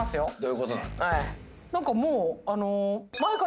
何かもう。